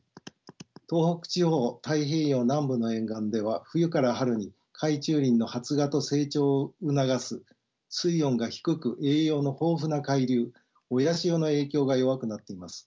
東北地方太平洋南部の沿岸では冬から春に海中林の発芽と成長を促す水温が低く栄養の豊富な海流親潮の影響が弱くなっています。